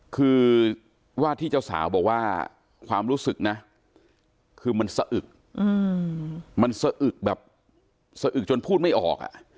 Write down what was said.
คือว่าที่เจ้าสาวบอกว่าความรู้สึกนะคือมันสะอึกมันสะอึกแบบสะอึกจนพูดไม่ออก